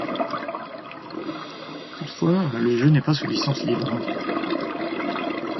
Toutefois, le jeu n'est pas sous licence libre.